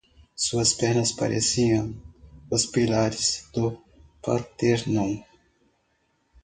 Suas pernas pareciam os pilares do Parthenon.